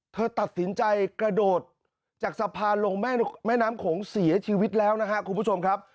เธอตัดสินใจกระโดดจากสะพานลงแม่น้ำโขงเสียชีวิตแล้วนะครับคุณผู้ชมครับ